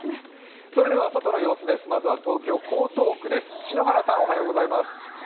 それでは外の様子です、まずは東京・江東区です。